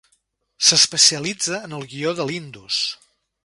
S'especialitza en el guió de l'Indus.